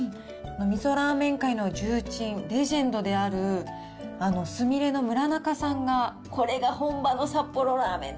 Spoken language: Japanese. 味噌ラーメン界の重鎮、レジェンドであるすみれの村中さんが、これが本場の札幌ラーメンだ！